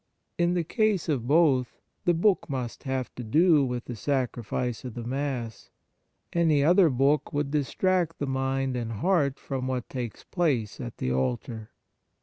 In the case of both, the book must have to do with the 73 On the Exercises of Piety Sacrifice of the Mass ; any other book would distract the mind and heart from what takes place at the altar.